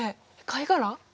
貝殻？